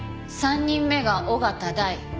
３人目が緒方大。